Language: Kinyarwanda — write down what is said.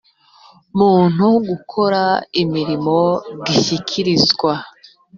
muntumu gukora imirimo gishyikirizwa